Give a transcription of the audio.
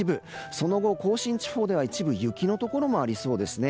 その後、甲信地方では一部雪のところもありそうですね。